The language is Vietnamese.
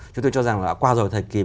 chúng tôi cho rằng là qua rồi thời kỳ